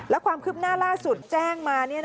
และความคืบหน้าล่าสุดแจ้งมา